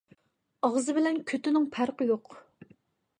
ئاغزى بىلەن كۆتىنىڭ پەرقى يوق.